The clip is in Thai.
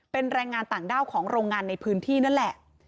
เป็นแรงงานต่างด้าวของโรงงานในพื้นที่นั่นแหละ